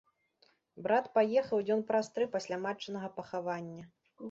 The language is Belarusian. Брат паехаў дзён праз тры пасля матчынага пахавання.